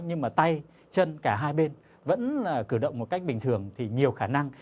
nhưng mà tay chân cả hai bên vẫn cử động một cách bình thường thì nhiều khả năng